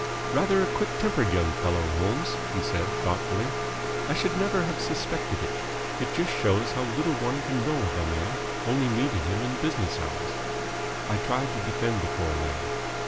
"Rather a quick tempered young fellow, Holmes!" he said, thoughtfully. "I should never have suspected it. It just shows how little one can know of a man, only meeting him in business hours." I tried to defend the poor lad.